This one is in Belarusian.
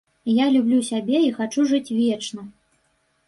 Я люблю сябе і хачу жыць вечна.